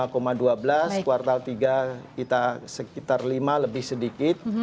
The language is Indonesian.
kuartal tiga kita sekitar lima lebih sedikit